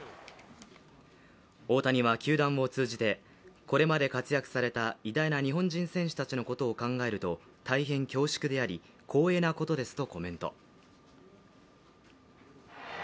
大谷は球団を通じて、これまで活躍された偉大な日本人選手たちのことを考えると大変恐縮であり光栄なことですとコメント。